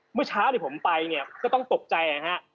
เมื่อเช้าเดี๋ยวผมไปก็ต้องตกใจนะครับ